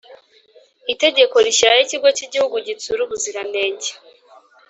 itegeko rishyiraho Ikigo cy’Igihugu gitsura ubuziranenge